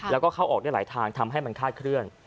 แล้วก็เข้าออกได้หลายทางทำให้มันคาดเคลื่อน